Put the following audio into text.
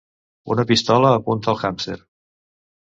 Una pistola apunta el hàmster.